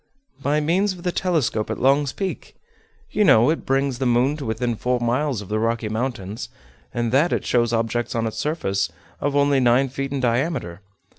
"By means of the telescope at Long's Peak. You know it brings the moon to within four miles of the Rocky Mountains, and that it shows objects on its surface of only nine feet in diameter.